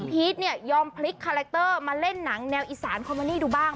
พีชเนี่ยยอมพลิกคาแรคเตอร์มาเล่นหนังแนวอีสานคอมมานี่ดูบ้าง